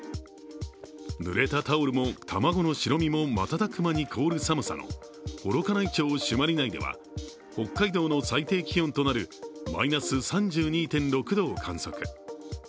ぬれたタオルも卵の白身も瞬く間に凍る寒さの幌加内町朱鞠内では、北海道の最低気温となるマイナス３２．６度を観測。